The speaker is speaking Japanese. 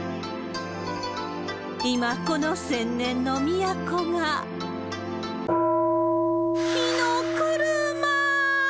今、この千年の都が火の車。